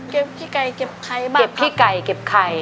เก็บพี่ไก่เก็บไข่บ้างครับ